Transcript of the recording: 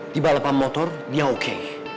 di balapan motor dia oke